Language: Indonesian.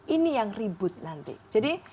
ini yang ribut nanti jadi